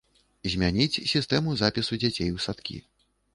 Змяніць сістэму запісу дзяцей у садкі.